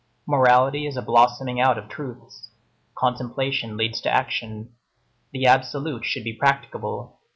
Morality is a blossoming out of truths. Contemplation leads to action. The absolute should be practicable.